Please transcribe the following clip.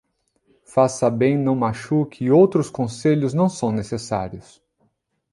Faça bem, não machuque e outros conselhos não são necessários.